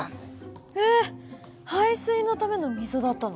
えっ排水のための溝だったの？